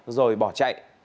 rồi bỏ chạy